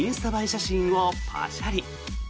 写真をパシャリ。